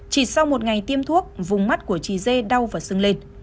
chỉ sau một ngày tiêm thuốc vùng mắt của chị dê đau và sưng lên